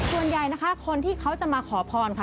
ส่วนใหญ่นะคะคนที่เขาจะมาขอพรค่ะ